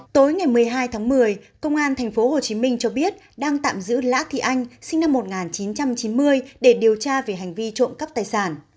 tối ngày một mươi hai tháng một mươi công an tp hcm cho biết đang tạm giữ lã thị anh sinh năm một nghìn chín trăm chín mươi để điều tra về hành vi trộm cắp tài sản